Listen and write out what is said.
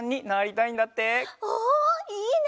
おいいね！